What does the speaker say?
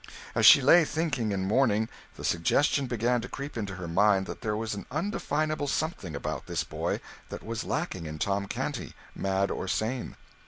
As she lay thinking and mourning, the suggestion began to creep into her mind that there was an undefinable something about this boy that was lacking in Tom Canty, mad or sane.